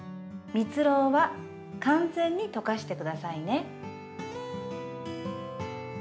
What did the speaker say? みつろうは完全に溶かしてくださいね。